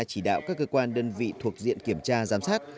chỉ đạo các cơ quan đơn vị thuộc diện kiểm tra giám sát